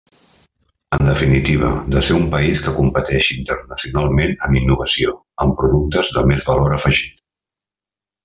En definitiva, de ser un país que competeixi internacionalment en innovació, amb productes de més valor afegit.